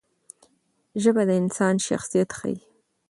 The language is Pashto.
ژبه د انسان شخصیت ښيي.